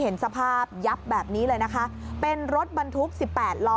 เห็นสภาพยับแบบนี้เลยนะคะเป็นรถบรรทุกสิบแปดล้อ